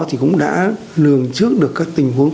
thì cũng đã lường trước được các tình huống